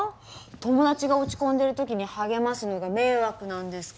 友達が落ち込んでる時に励ますのが迷惑なんですか？